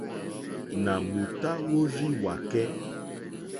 Nà m-ùtá wórzíwàkɛ́.